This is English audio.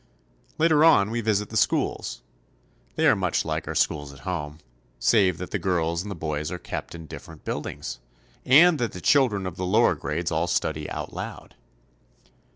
Later on we visit the schools. They are much like our schools at home, save that the girls and the boys are kept in different buildings, and that the children of the lower grades all study out loud.